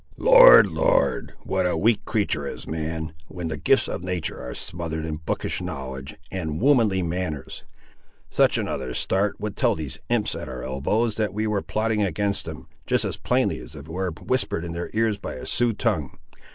"Lord, Lord! what a weak creatur' is man, when the gifts of natur' are smothered in bookish knowledge, and womanly manners! Such another start would tell these imps at our elbows that we were plotting against them, just as plainly as if it were whispered in their ears by a Sioux tongue.